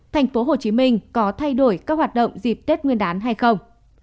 thành phố hồ chí minh có thay đổi các hoạt động dịp tết nguyên đán hay không